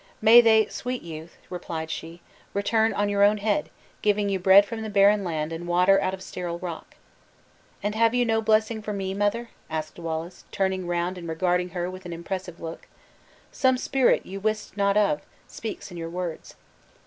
"May they, sweet youth," replied she, "return on your own head, giving you bread from the barren land and water out of sterile rock!" "And have you no blessing for me, mother?" asked Wallace, turning round and regarding her with an impressive look; "some spirit you wist not of, speaks in your words."